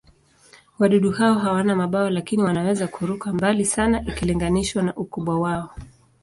Wadudu hao hawana mabawa, lakini wanaweza kuruka mbali sana ikilinganishwa na ukubwa wao.